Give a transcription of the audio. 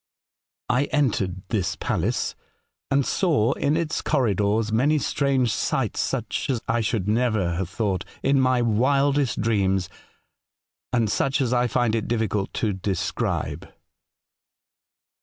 " I entered this palace, and saw in its corridors many strange sights, such as I should never have thought of in my wildest A Strange Letter. 59 dreams, and such as I find it diflBcult to describe.